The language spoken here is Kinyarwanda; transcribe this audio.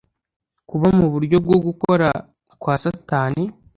kuba mu buryo bwo gukora kwa Satani,